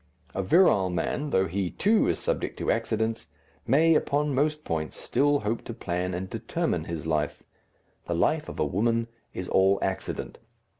A virile man, though he, too, is subject to accidents, may, upon most points, still hope to plan and determine his life; the life of a woman is all accident.